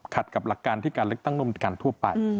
กับหลักการที่การเลือกตั้งต้องมีการทั่วไป